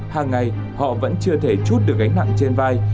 hàng ngày họ vẫn chưa thể chút được gánh nặng trên vai